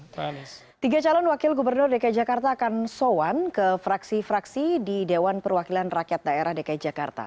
tiga calon wakil gubernur dki jakarta akan soan ke fraksi fraksi di dewan perwakilan rakyat daerah dki jakarta